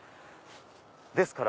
ですから。